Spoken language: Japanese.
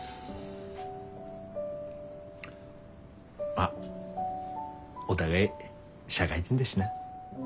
まあお互い社会人だしな。